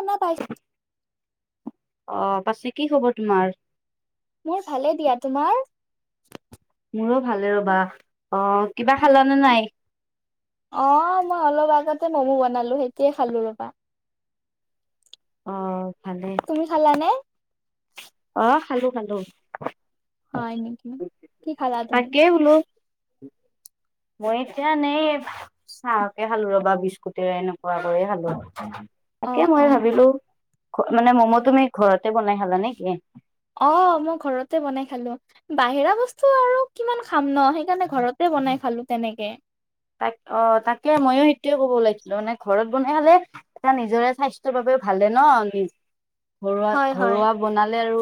শুনা পাইছ অ পাছে কি খবৰ তোমাৰ? মোৰ ভালে দিয়া। তোমাৰ? মোৰো ভালে ৰ'বা। অ কিবা খালানে নাই? অ মই অলপ আগতে ম'ম বনালো সেইটোয়ে খালো ৰবা। অ ভালে। তুমি খালা নে। অ খালো খালো। হয় নেকি? কি খালা তুমি? এ বোলো বৰ এতিয়া নেইব [unintelligible] চাহকে খালো ৰ'বা, বিস্কুটে এনেকুৱা লৈয়ে খালো। অ তাকে মই অ ভাবিলো মানে ম'ম' তুমি ঘৰতে বনাই খালা নেকি। অ মই ঘৰতে বনাই খালো। বাহিৰা বস্তু আৰু কিমান খাম ন সেইকাৰণে ঘৰতে বনাই খালো তেনেকে। তাক অ তাকে ময়ো সেইটোৱে ক'ব ওলাইছিলো মানে ঘৰত বনাই খালে। এটা নিজৰে স্বাস্থ্যৰ বাবেও ভালে ন নি ঘৰুৱা হয় হয় ঘৰুৱা, বনালে আৰু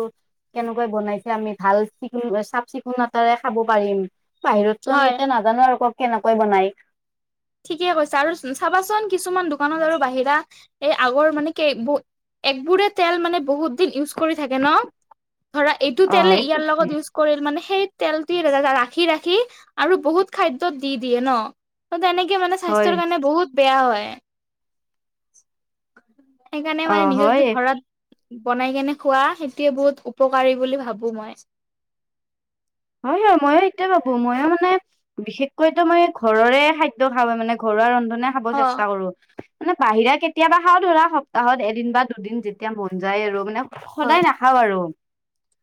কেনেকৈ বনাইছে আমি ভাল চিকু চাফ চিকুণতাৰে খাব পাৰিম। বাহিৰততো আমি হয় এতিয়া নাজানো আৰু কত কেনেকৈ বনাই। ঠিকেই কৈছা আৰু চাবাচোন কিছুমান দোকানত আৰু বাহিৰা এই আগৰ মানে কে বোৰ। একোৰে তেল মানে বহুত দিন ইউজ কৰি থাকে ন ধৰা এইটো অ তেলে এইটো ইয়াৰ লগত ইউজ, কৰিল মানে সেই তেলটি ৰাখি ৰাখি আৰু বহুত খাদ্যত দি দিয়ে ন। তেনেকে মানে হয় স্বাস্থ্যৰ কাৰণে বহুত বেয়া হয়। সেইকাৰণে অ মানে নিজৰ হয় যদি ঘৰত। বনাই কেনে খোৱা সেইটোৱে বহুত উপকাৰী বুলি ভাবো মই, হয় হয় ময়ো সেইটোৱে ভাবো ময়ো মানে। বিশেষকৈ তো মানে ঘৰৰে খাদ্য খাব মানে ঘৰুৱা ৰন্ধনে খাব অ চেষ্টা কৰো। মানে বাহিৰা কেতিয়াবা খাওঁ ধৰা সপ্তাহত এদিন বা দুদিন যেতিয়া মন যায় আৰু মানে। সদায় হয় নাখাওঁ আৰু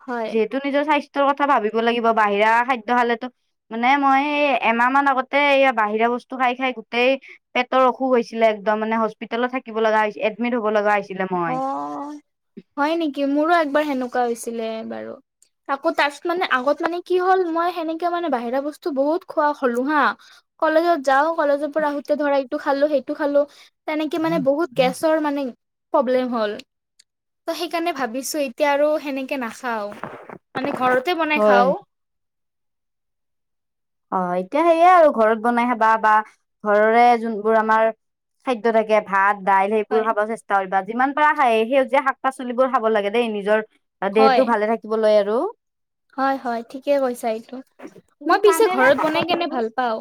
হয় যিহেতু নিজৰ স্বাস্থ্যৰ কথা ভাবি, দিব লাগিব বাহিৰা খাদ্য খালেতো। মানে মই এমাহ মান আগতে এই বাহিৰা বস্তু খাই খাই গোটেই, পেটৰ অসুখ হৈছিলে একদম মানে হস্পিতেলত থাকিব লগা হৈছে এডমিট হব লগা হৈছিল। অ হয় নিকি মোৰো একবাৰ সেনুকা হৈছিলে বাৰু আকৌ তাচ মানে আগত মানে কি হ'ল মই সেনেকে মানে বাহিৰা বস্তু বহুত খোৱা হলো হা, কলেজত যাও। কলেজৰ পৰা আহোতে ধৰা ইটো খালো সেইটো খালো তেনেকে মানে বহুত গেছৰ মানে, প্ৰব্লেম হল ত সেইকাৰণে ভাবিছো এতিয়া আৰু সেনে, কে নাখাও মানে ঘৰতে বনাই হয়। খাও। অ এতিয়া সেয়ে আৰু ঘৰত বনাই খাবা বা ঘৰৰে যোনবোৰ আমাৰ খাদ্য, থাকে ভাত দাইল সেইবোৰো হয়। খাব চেষ্ট তাইবা যিমান পাৰ খায়েই সেউজীয়া শাক পাচলিবোৰ খাব লাগে দেই নিজৰ হয় দেহটো ভালে থাকে। দিবলৈ আৰু হয় হয় ঠিকে কৈছা এইটো তুমি মই খোৱা পিছে নে নে ঘৰত শাক বনাই কেনে পাচলিবোৰ? ভাল পাওঁ।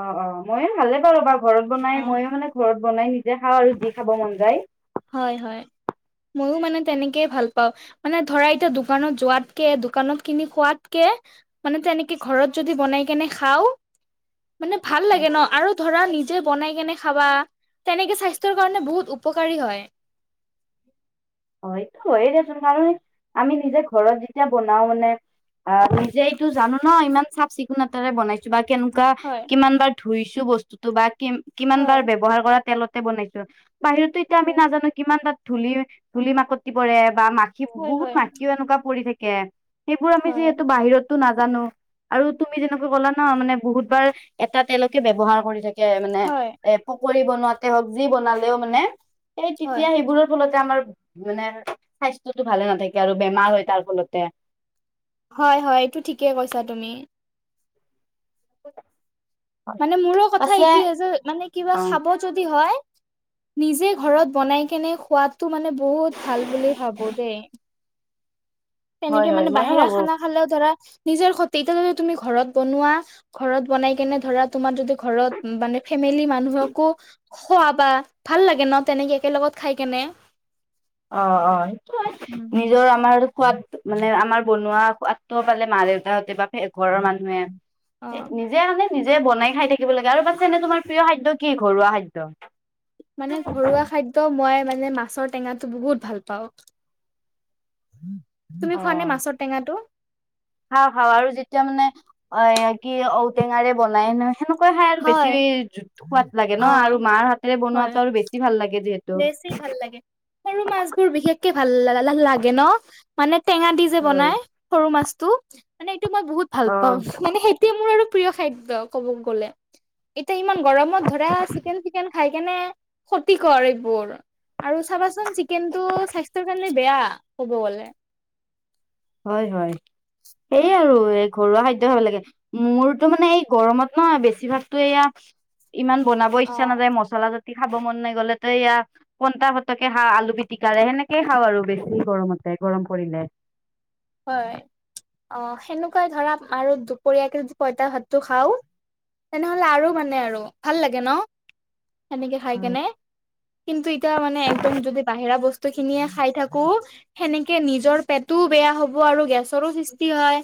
অ অ মইয়ো ভালে পাৰো বা ঘৰত অ বনাই মইয়ো মানে ঘৰত বনাই নিজে খাওঁ আৰু যি খাব মন যায়। হয় হয় ময়ো মানে তেনেকেই ভাল পাওঁ। মানে ধৰা এতিয়া দোকানত যোৱাতকে দোকানত কিনি খোৱাতকে। মানে তেনেকে ঘৰত যদি বনাই কেনে খাও। মানে ভাল লাগে ন আৰু ধৰা নিজে বনাই কেনে খাবা। তেনেকে স্বাস্থ্যৰ কাৰণে বহুত উপকাৰী হয়। হয় এইটো হয় দেচোন কাৰণ আমি নিজে ঘৰত যেতিয়া বনাও মানে। অ নিজে এইটো জানো ন ইমান চাফ চিকুণতাৰে বনাই, বা কেনেকোৱা হয় কিমান বাৰ ধুইছো বস্তুটো বা কিম কিমান হয় বাৰ ব্যৱহাৰ কৰা তেলত। বনাইছো বাহিৰতো এতিয়া আমি নাজানো কিমান তাত ধুলিৰ ধুলি মাকতি পৰে বা মাক, খি হয় বহুত হয় হয়। মাখিও এনেকুৱা পৰি থাকে সেইবোৰ আমি হয় যিহেতু বাহিৰত। টো নাজানো আৰু তুমি যেনেকৈ ক'লা ন মানে বহুত বাৰ এটা তেলকে ব্যৱহাৰ কৰি থাকে। মানে হয় এ পকৰি বনোৱাতে হওক যি বনালেও মানে, এই তেতিয়া সেইবোৰৰ ফলতে আমাৰ মানে স্বাস্থ্যটো ভালে নাথাকে আৰু বেমাৰ হয় তাৰ ফলতে। হয় হয় এইটো ঠিকে কৈছা তুমি। মানে মোৰো কথা পাছে এইটোয়ে যে মানে অ কিবা খাব যদি হয়। নিজে ঘৰত বনাই কেনে খোৱাতো মানে বহুত ভাল বুলি ভাবো দেই হয় তেনেকে হয় মানে ময়ো বাহিৰা ভাবো খানা খালেও ধৰা নিজৰ ক্ষতি এতিয়া যদি তুমি ঘৰত বনোৱা ঘৰত বনাই কেনে ধৰা তোমাৰ যদি ঘৰত মানে ফেমিলি মানুহকো খোৱা বা ভাল লাগে ন তেনেকে একে লগত খাই কেনে অ অ সেইটো হয় উম। নিজৰ আমাৰ সোৱাদ মানে আমাৰ বনোৱা সোৱাদ ত পালে মা দেউতাহতে বা ঘৰৰ অ' মানুহে- যে আমি নিজে বনাই খাই থাকিব লাগে আৰু পাছে এনে তোমাৰ প্ৰিয় খাদ্য কি ঘৰুৱা খাদ্য? মানে ঘৰুৱা খা দ্য মই মানে মাছৰ টেঙাটো বহুত ভাল পাওঁ। তুমি খোৱা নে মাছৰ টেঙাটো? খাও খাও আৰু যেতিয়া মানে অ কি ঔটেঙাৰে বনাই নহয় সেনেকোৱা খাই আৰু হয় বেছি সোৱাদ লাগে অ ন আৰু মাৰ হাতেৰে হয় বনোৱাতো আৰু বেছি ভাল লাগে যিহে- বেছি ভাল লাগে সৰু মাছবোৰ বিশেষকে ভাল লা লাগে ন। মানে টেঙা দি যে হয় বনাই সৰু মাছটো মানে এইটো মই বহুত ভাল অ পাওঁ মানে সেই- টোৱে মোৰ আৰু প্ৰিয় খাদ্য কব গ'লে এতিয়া ইমান গৰমত ধৰা চিকেন টিকেন খাই কেনে খতি কৰে বোৰ আৰু চাবাচোন চিকেনটো স্বাস্থ্যৰ কাৰণে বেয়া ক'ব গ'লে। হয় হয় হয় সেইয়ে আৰু এ ঘৰুৱা খাদ্য খাব লাগে। মোৰতো মানে এই গৰমত নহ বেছিভাগতো এয়া- ইমান বনাব অ ইচ্ছা নাযায় মছলা জাতি খাব মন নাই গলে ত এয়া- পনটা ভাতকে খাও আলু পিটিকাৰে সেনেকে খাও আৰু বেছি গৰমতে গৰম পৰিলে। হয় অ সেনেকোৱাই ধৰা আৰু দুপৰীয়াকে যদি পঁইতা ভাতটো খাও তেনেহলে আৰু মানে আৰু ভাল লাগে ন সেনেকে খাই হয়। কেনে। কিন্তু এতিয়া মানে একদম যদি বাহিৰা বস্তু খিনিয়ে খাই থাকো সেনেকে নিজৰ পেটো বেয়া হ ব আৰু গেছৰো সৃষ্টি হয়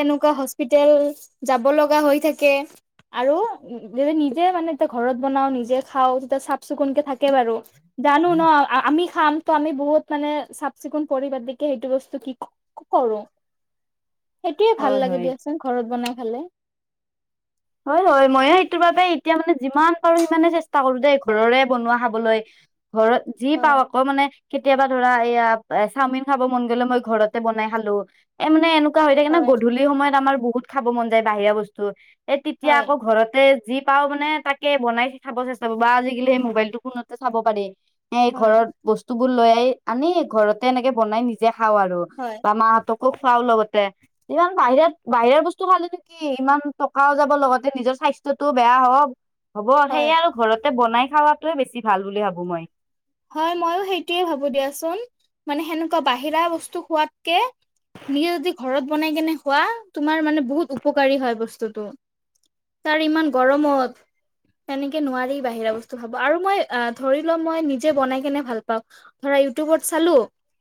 তেনেকোৱা হস্পিতেল যাব লগা হৈ থাকে। আৰু যদি নিজে মানে এতিয়া ঘৰত বনাও নিজে খাও তেতিয়া চাফ চিকুণকে থাকে বাৰু। জানো ন আমি খাম ত আমি বহুত মানে চাফ চিকুণ পৰিপাটিকে সেইটো বস্তু কি- কৰো সেইটোয়ে ভাল হয় লাগে হয়। দিয়াচোন ঘৰত বনাই খালে। হয় হয় ময়ো সেইটোৰ বাবে এতিয়া মানে যিমান পাৰো সিমানে চেষ্টা কৰো দেই ঘৰৰে বনোৱা খাবলৈ। ঘৰত- যি হয় পাওঁ আকৌ মানে কেতিয়াবা ধৰা এয়া চাওমিন খাব মন গলে মই ঘৰতে বনাই খালো। এ মানে এনেকোৱা হৈ থাকে ন হয় গধূলি সময়ত আমাৰ বহুত খাব মন যায় বাহিৰা বস্তু। এই তেতিয়া হয় আকৌ ঘৰতে যি পাওঁ মানে তাকে বনাই খাব চেষ্টা কৰো বা আজিকালি সেই মোবাইলটো ফোনতে চাব পাৰি। এই হয় ঘৰত বস্তুবোৰ লৈ আনি ঘৰতে এনেকে বনাই নিজে খাওঁ আৰু। হয়। বা মাহঁতকো খোৱাও লগতে ইমান বাহিৰত বাহিৰৰ বস্তু খালেনো কি ইমান টকাও যাব লগতে নিজৰ স্বাস্থ্যটোও বেয়া হওক হ'ব হয় সেয়ে আৰু ঘৰ তে বনাই খোৱাতোৱে বেছি ভাল বুলি ভাবো মই। হয় ময়ো সেইটোয়ে ভাবো দিয়াচোন মানে সেনেকোৱা বাহিৰা বস্তু খোৱাতকে নিজে যদি ঘৰত বনাই কেনে খোৱা তোমাৰ মানে বহুত উপকাৰী হয় বস্তুটো। তাৰ ইমান গৰমত- তেনেকে নোৱাৰি বাহিৰা বস্তু খাব আৰু মই অ ধৰি ল মই নি যে বনাই কেনে ভাল পাওঁ ধৰা ইউটিউবত চালো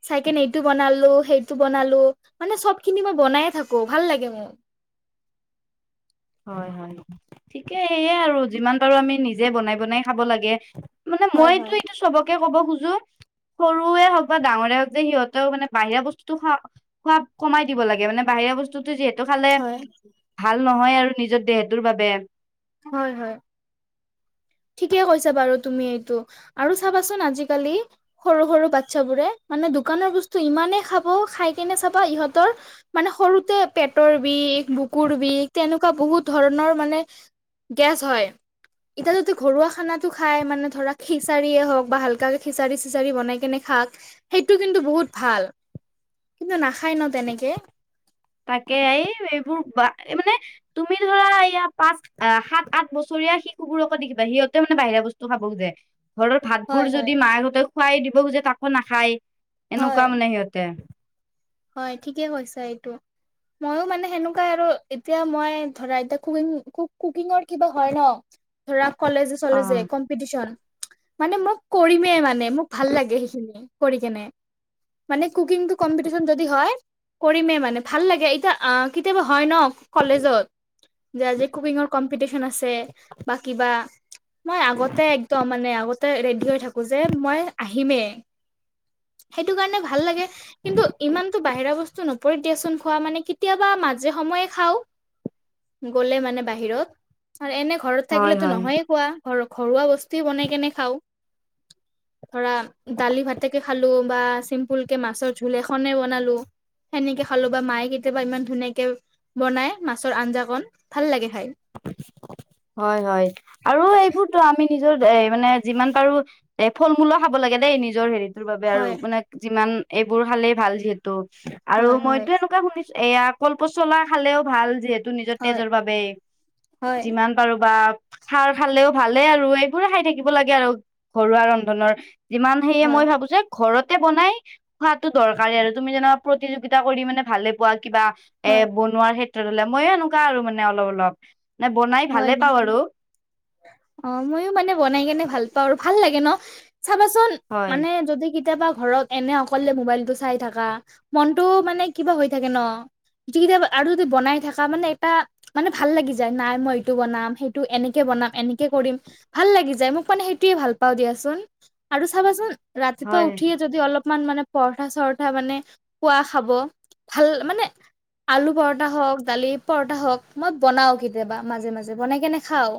চাইকেনে এইটো বনালো সেইটো বনালো মানে চব খিনি মই বনাইয়ে‌ থাকো ভাল লাগে মোৰ হয় হয় ঠিকে এইয়া আৰু যিমান পাৰোঁ আমি নিজে বনাই বনাই খাব লাগে। মানে হয় মইতো হয় এইটো চবকে ক'ব খোজোঁ। সৰুৱে হওক বা ডাঙৰেই হওক যে সিহঁতেও মানে বাহিৰা বস্তুটো খোৱা খোৱা কমাই দিব লাগে মানে বাহিৰা বস্তু- তো যিহেতু খালে হয় ভাল নহয় আৰু নিজৰ দেহটোৰ বাবে- হয় হয়। ঠিকে কৈছা বাৰু তুমি এইটো আৰু চাবাচোন আজিকালি। সৰু সৰু বাচ্ছাবোৰে মানে দোকানৰ বস্তু ইমানেই খাব খাই কেনে চাবা ইহঁতৰ। মানে সৰুতে পেটৰ বিষ বুকুৰ বিষ তেনেকুৱা বহুত ধৰণৰ মানে। গেছ হয়। এতিয়া যদি ঘৰুৱা খানা খাই মানে ধৰা খিচাৰিয়ে হওঁক বা হাল্কাকে খিচাৰি চিচাৰি বনাই কেনে। খাক সেইটো কিন্তু বহুত ভাল কিন্তু নাখায় ন তেনেকে। তাকে এই এইবোৰ বা মানে তুমি ধৰা এইয়া পাচ আহ সাত আঠ বছৰীয়া শিশুবোৰকো দেখিবা সিহঁতে মানে বাহিৰা বস্তু খাব খোজে। ঘৰৰ হয় ভাতবোৰ হয় যদি মাহঁতে খুৱাই দিব খোজে তাকো নাখায় হয় এনেকুৱা মানে সিহঁতে হয় ঠিকে কৈছা এইটো। মইয়ো মানে সেনেকুৱাই আৰু এতিয়া মই ধৰা এতিয়া কুকিং কুকিঙৰ। কিবা হয় ন ধৰা কলেজে অ চলেজে কম্পিটিচন মানে মোক কৰিমেই মানে মোক ভাল লাগে সেইখিনি কৰি কেনে মানে কুকিংটো কম্পি কম্পিটিচন যদি হয় কৰিমে মানে ভাল লাগে এতিয়া অ কেতিয়াবা হয় ন। কলেজত যে আজি কুকিঙৰ কম্পিটিচন আছে বা কিবা মই আগতে একদম মানে আগতে। ৰেডি হৈ থাকোঁ যে মই আহিমেই সেইটো কাৰণে ভাল লাগে। কিন্তু ইমানতো বাহিৰা বস্তু নপৰিত দিয়াচোন খোৱা মানে কেতিয়াবা মাজে সময়ে খাওঁ। গ'লে মানে বাহিৰত। আৰু এনে ঘৰত হয় থাকিলেতো হয় নহয়ে খোৱা ঘ ঘৰুৱা বস্তু বনাই কেনে খাওঁ। ধৰা দালি ভাতকে খালোঁ বা চিম্পুল কে মাছৰ জোল এখনে বনালো। সেনেকে খালোঁ বা মায়ে কেতিয়াবা ইমান ধুনীয়াকে বনাই মাছৰ আঞ্জা কন ভাল লাগে খাই। হয়, হয়। আৰু এইবোৰতো আমি নিজৰ এ মানে যিমান পাৰোঁ এ ফল মূলো খাব লাগে দেই নিজৰ হেৰিত। দেহ তোৰ বাবে আৰু হয় মানে যিমান এইবোৰ খালেই ভাল যিহেতু। আৰু হয় হয় মইতো এনেকুৱা শুনিছোঁ এয়া কল পচলা খালেও ভাল যিহেতু নিজৰ হয় তেজৰ বাবেই। হয় যিমান পাৰোঁ বা খাৰ খালেও ভালেই আৰু এইবোৰে খাই থাকিব লাগে আৰু ঘৰুৱা ৰন্ধনৰ। যিমান সেয়ে হয় মই ভাবোঁ যে ঘৰতে বনাই খোৱাটো দৰকাৰী আৰু তুমি যেনেকা প্ৰতিযোগিতা কৰি মানে ভালে পোৱা কিবা এ হয় বনোৱাৰ ক্ষেত্ৰত হ'লে মইয়ো এনেকুৱা আৰু মানে অলপ, অলপ। নাই বনাই হয় ভালে পাওঁ নিকি? আৰু অ মইও মানে বনাই কেনে ভাল পাওঁ আৰু ভাল লাগে ন চাবাচোন। হয় মানে যদি কেতিয়াবা ঘৰত এনে অকলে মোবাইলটো চাই থাকা মনটো মানে কিবা হৈ থাকে ন। যি কেইটা আৰু যদি বনাই থাকা মানে এটা মানে ভাল লাগি যায় নাই মই। সেইটো বনাম সেইটো এনেকে বনাম এনেকে কৰিম ভাল লাগি যায় মোক মানে সেইটোয়ে ভাল পাওঁ দিয়াচোন। আৰু চাবাচোন ৰাতিপুৱা হয় উঠি যদি অলপমান মানে পৰঠা চৰঠা মানে খোৱা খাব ভাল মানে। আলু পৰঠা হওঁক দালি পৰঠা হওঁক মই বনাও কেতিয়াবা। মাজে মাজে বনাই কেনে খাওঁ।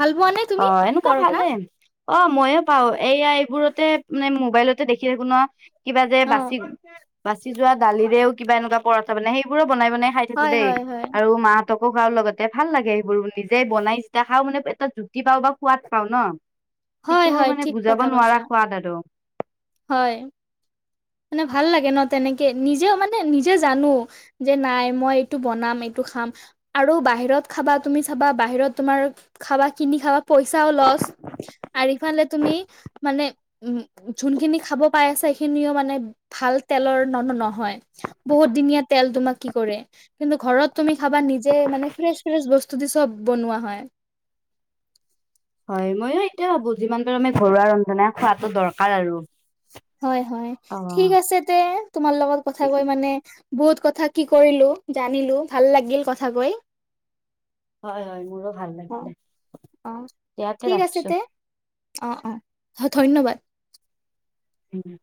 ভাল পোৱা নে? অ তুমি এনেকুৱা ভাল পৰঠা? দে অ ময়ো পাওঁ এইয়া এইবোৰতে মানে মোবাইলতে দেখি থাকোঁ ন। কিবা যে অ বাছি - বাছি যোৱা দালিৰেও কিবা এনেকুৱা পৰঠা বনে সেইবোৰো বনাই - বনাই খাই। থাকো হয় দেই হয় হয় আৰু মাহতকো খাও লগতে ভাল লাগে সেইবোৰ নিজে বনাই যেতিয়া খাও মানে এটা পেটত কি পাও বা সোৱাদ পাও ন হয় সেইটোৰ হয় মানে ঠিক বুজাব কথা কৈছা নোৱাৰা সোৱাদ আৰু। হয়। মানে ভাল লাগে ন তেনেকে নিজেও মানে নিজে জানোঁ। যে নাই মই এইটো বনাম এইটো খাম। আৰু বাহিৰত খাবা তুমি চাবা বাহিৰত তোমাৰ খাবা কিনি খাবা পইচাও লছ। আৰু ইফালে তুমি মানে উম, যোনখিনি খাব পাই আছা সেইখিনিও মানে ভাল তেলৰ ন - নহয় বহুত দিনীয়া তেল তোমাক কি কৰে। কিন্তু ঘৰত তুমি খাবা নিজে মানে ফ্ৰেচ - ফ্ৰেচ বস্তু দি চব বনোৱা হয়। হয় ময়ো এইটোৱে ভাবো যিমান পাৰো আমি ঘৰুৱা ৰন্ধনা খোৱাতটো দৰকাৰ আৰু। হয় - হয় অ ঠিক আছে তে তোমাৰ লগত কথা ঠিক কৈ আছে মানে বহুত কথা কি কৰিলো জানিলো ভাল লাগিল কথা কৈ। হয় - হয় মোৰো ভাল অ লাগিলে অ ইয়াতে ঠিক আছে ৰাখিছো। তে অ', অ', হয় ধন্যবাদ। উম,